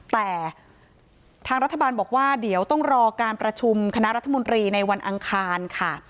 แต่ทางรัฐบาลบอกว่าเดี๋ยวต้องรอการประชุมคณะรัฐมนตรีในวันอังคารค่ะ